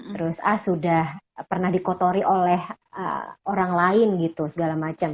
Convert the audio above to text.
terus ah sudah pernah dikotori oleh orang lain gitu segala macam